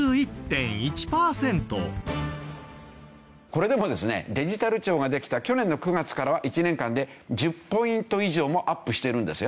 これでもですねデジタル庁ができた去年の９月からは１年間で１０ポイント以上もアップしてるんですよ。